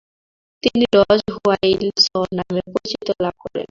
তিনি ডজ হোয়াইসল নামে পরিচিতি লাভ করেন।